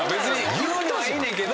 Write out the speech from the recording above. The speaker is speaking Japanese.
言うのはいいねんけど。